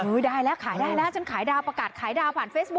ได้แล้วขายได้นะฉันขายดาวประกาศขายดาวผ่านเฟซบุ๊